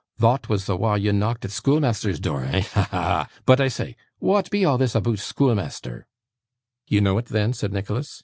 Thot was the wa' thou knocked at schoolmeasther's door, eh? Ha, ha, ha! But I say; wa'at be a' this aboot schoolmeasther?' 'You know it then?' said Nicholas.